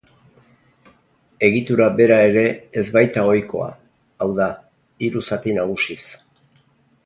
Egitura bera ere ez baita ohikoa, hau da, hiru zati nagusiz.